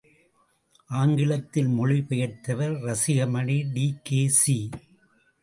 ஆங்கிலத்தில் மொழி பெயர்த்தவர் ரசிகமணி டி.கே.சி.